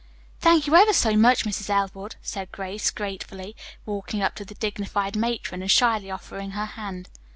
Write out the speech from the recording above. "Thank you ever so much, Mrs. Elwood," said Grace gratefully, walking up to the dignified matron and shyly offering her hand.